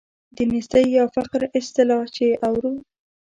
د نیستۍ یا فقر اصطلاح چې اورو.